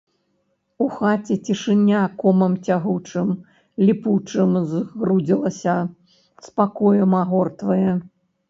У хаце цішыня комам цягучым, ліпучым згрудзілася, спакоем агортвае.